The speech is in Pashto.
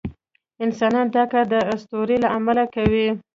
انسانان دا کار د اسطورو له امله کوي.